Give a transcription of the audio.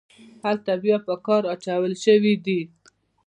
هلته بیا په کار اچول شوي دي.